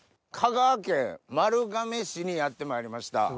香川県丸亀市にやってまいりました。